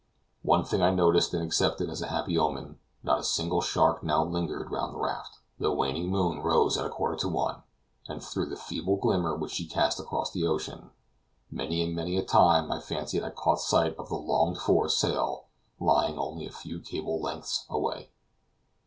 One thing I noticed and accepted as a happy omen; not a single shark now lingered round the raft. The waning moon rose at a quarter to one, and through the feeble glimmer which she cast across the ocean, many and many a time I fancied I caught sight of the longed for sail, lying only a few cables' lengths away.